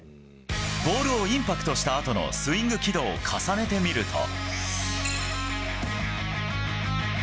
ボールをインパクトしたあとのスイング軌道を重ねてみると。